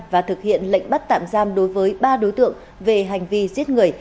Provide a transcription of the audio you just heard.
và thực hiện lệnh bắt tạm giam đối với ba đối tượng về hành vi giết người